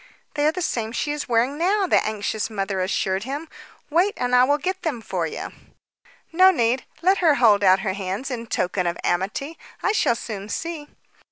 "They are the same she is wearing now," the anxious mother assured him. "Wait, and I will get them for you." "No need. Let her hold out her hands in token of amity. I shall soon see."